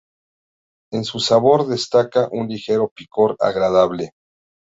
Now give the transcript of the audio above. En su sabor destaca un ligero picor agradable.